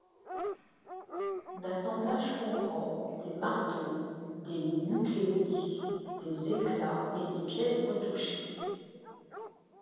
L'assemblage comprend des marteaux, des nucleus, des éclats et des pièces retouchées.